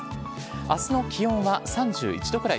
あすの気温は３１度くらい。